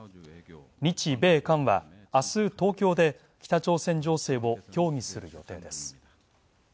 日米韓は明日、東京で北朝鮮情勢を協議する予定です。